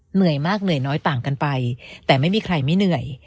เหนื่อยมากเหนื่อยน้อยต่างกันไปแต่ไม่มีใครไม่เหนื่อย